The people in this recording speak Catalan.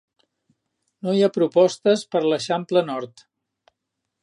No hi ha propostes per a l'Eixample Nord.